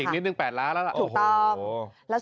อีกนิดนึง๘ล้านแล้วล่ะ